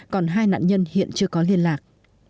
còn hai nạn nhân hiện chưa có liên lạc